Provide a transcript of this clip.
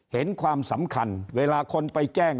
เห็นความสำคัญเวลาคนไปแจ้ง